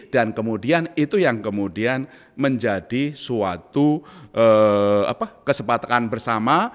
dan kemudian itu yang kemudian menjadi suatu kesepakatan bersama